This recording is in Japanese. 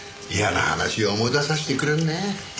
嫌な話を思い出させてくれるね。